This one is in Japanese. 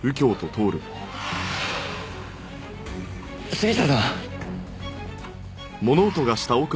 杉下さん。